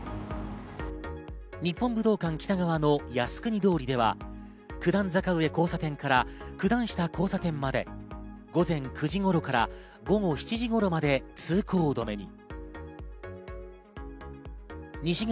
日本武道館北側の靖国通りでは、九段坂上交差点から九段下交差点まで、午前９時頃から午後７時頃まで通行止めに。